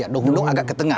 do hung dung agak ke tengah